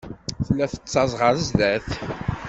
Tella tettaẓ ɣer sdat.